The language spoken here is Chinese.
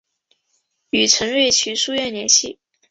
与陈瑞祺书院联系。